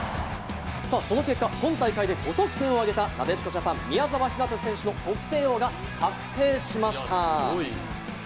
その結果、今大会で５得点を挙げた、なでしこジャパン・宮澤ひなた選手の得点王が確定しました。